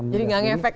jadi nggak ngefek